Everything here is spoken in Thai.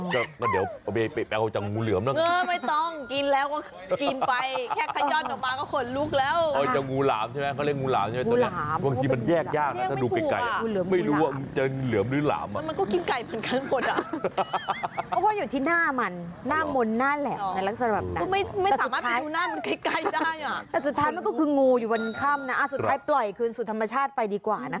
ก็เดี๋ยวไปเอาจากงูเหลือมนะครับ